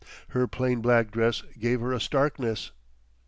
Her plain black dress gave her a starkness....